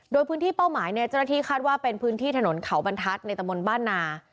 โดยพื้นที่เป้าหมายเนี่ยเจ้าหน้าที่คาดว่าเป็นพื้นที่ถนนเขาบรรทัศน์ในตะมนต์บ้านนา